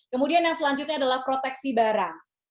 kemudian yang selanjutnya adalah proteksi barang